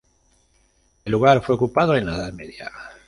El lugar fue ocupado en la Edad Media.